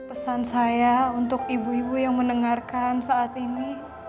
pesan saya untuk ibu ibu yang mendengarkan saat ini